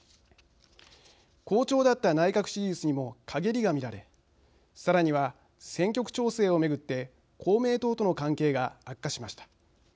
好調だった内閣支持率にもかげりが見られさらには選挙区調整を巡って公明党との関係が悪化しました。